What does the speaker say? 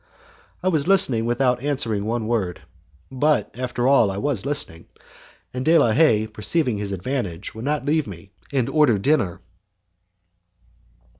I was listening without answering one word, but, after all, I was listening, and De la Haye, perceiving his advantage, would not leave me, and ordered dinner.